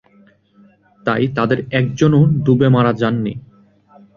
তাই তাদের একজনও ডুবে মারা যাননি।